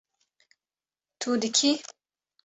Tu dikî